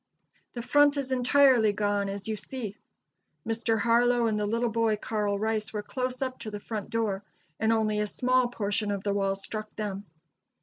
The front is entirely gone, as you see. Mr. Harlow and the little boy Carl Rice, were close up to the front door, and only a small portion of the wall struck them.